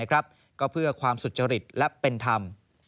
ก็เพื่อความสุจริตและเป็นธรรม